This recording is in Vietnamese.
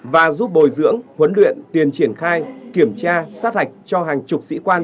và giúp bồi dưỡng huấn luyện tiền triển khai kiểm tra sát hạch cho hàng chục sĩ quan